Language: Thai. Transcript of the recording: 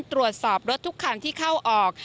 ตรวจสอบรถทุกคันที่เข้าออก